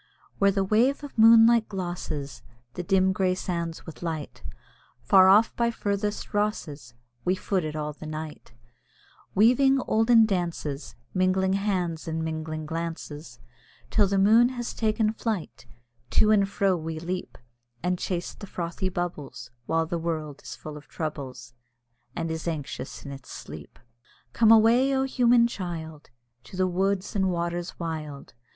Where the wave of moonlight glosses The dim grey sands with light, Far off by furthest Rosses We foot it all the night, Weaving olden dances, Mingling hands, and mingling glances, Till the moon has taken flight; To and fro we leap, And chase the frothy bubbles, While the world is full of troubles. And is anxious in its sleep. Come away! O, human child! To the woods and waters wild.